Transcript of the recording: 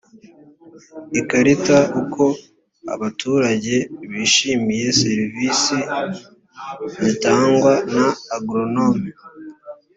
ikarita uko abaturage bishimiye serivisi zitangwa na agoronome